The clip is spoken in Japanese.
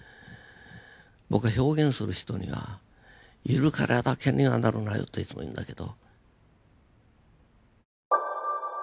僕は表現する人には「ゆるキャラだけにはなるなよ」っていつも言うんだけど。